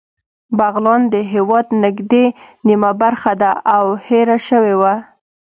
بغلان د هېواد نږدې نیمه برخه ده او هېره شوې وه